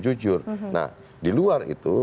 jujur nah di luar itu